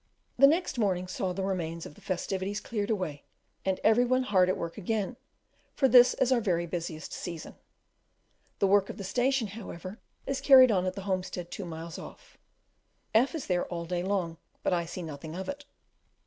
The next morning saw the remains of the festivity cleared away, and every one hard at work again; for this is our very busiest season. The work of the station, however, is carried on at the homestead two miles off. F is there all day long, but I see nothing of it.